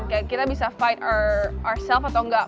kayak kita bisa fight ourself atau nggak